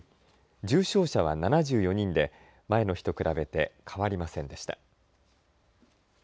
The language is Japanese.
重症者は７４人で前の日と比べて変わりませんでした。